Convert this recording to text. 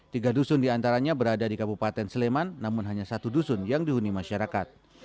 tiga dusun diantaranya berada di kabupaten sleman namun hanya satu dusun yang dihuni masyarakat